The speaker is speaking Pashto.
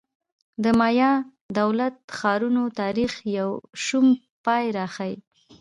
د مایا دولت ښارونو تاریخ یو شوم پای راښيي